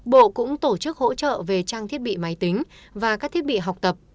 bộ cũng tổ chức hỗ trợ về trang thiết bị máy tính và các thiết bị học tập